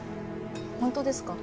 本当ですか？